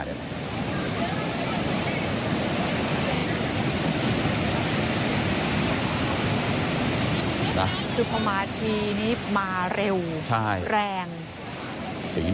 คุณผู้ชมว่าเป็นผู้ชมศึกษาปุกเป็นพี่เรียวแร้ง